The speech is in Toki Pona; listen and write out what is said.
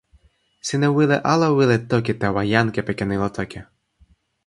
sina wile ala wile toki tawa jan kepeken ilo toki?